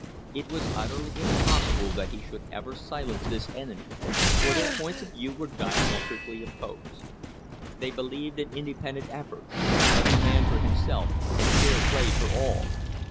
It was utterly impos sible that he should ever silence this enemy, for their points of view were diametrically opposed. They believed in independent effort — every man for him self and fair play for all.